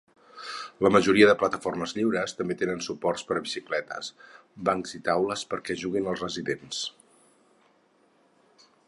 La majoria de plataformes lliures també tenen suports per a bicicletes, bancs i taules perquè juguin els residents.